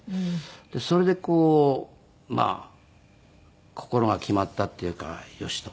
でそれでこうまあ心が決まったっていうかよしと。